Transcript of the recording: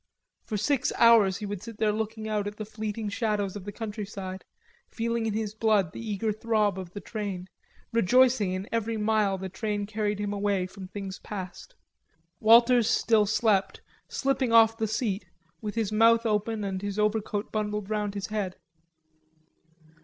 For six hours he would sit there looking out at the fleeting shadows of the countryside, feeling in his blood the eager throb of the train, rejoicing in every mile the train carried him away from things past. Walters still slept, half slipping off the seat, with his mouth open and his overcoat bundled round his head.